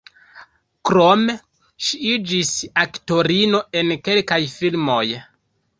Krome ŝi iĝis aktorino en kelkaj filmoj.